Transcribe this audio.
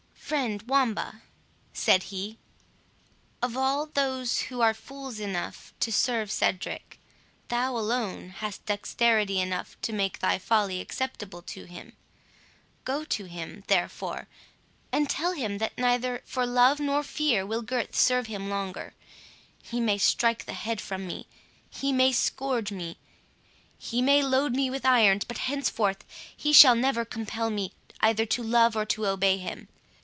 "Friend Wamba," said he, "of all those who are fools enough to serve Cedric, thou alone hast dexterity enough to make thy folly acceptable to him. Go to him, therefore, and tell him that neither for love nor fear will Gurth serve him longer. He may strike the head from me—he may scourge me—he may load me with irons—but henceforth he shall never compel me either to love or to obey him.